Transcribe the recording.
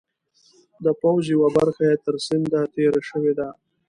د پوځ یوه برخه یې تر سیند تېره شوې ده.